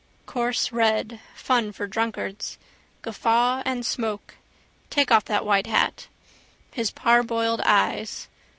Coarse red: fun for drunkards: guffaw and smoke. Take off that white hat. His parboiled eyes.